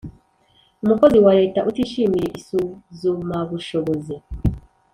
Umukozi wa Leta utishimiye isuzumabushobozi